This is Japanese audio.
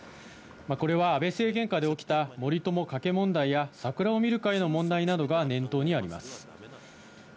これは安倍政権下で起きた森友・加計問題や、桜を見る会の問題などが念頭にあります。